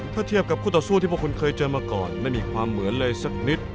ถ้าเทียบกับคู่ต่อสู้ที่พวกคุณเคยเจอมาก่อนไม่มีความเหมือนเลยสักนิด